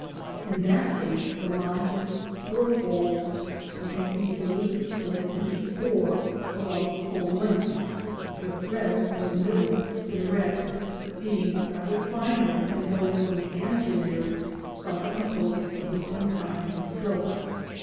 In that case the line is fourfold, and can easily be split into four along its whole length, the threads from the middle spinnerets being rather finer than those from the anterior, but composed of the same kind of silk.